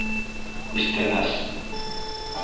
- Күстәнәс.